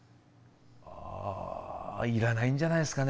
ああいらないんじゃないすかね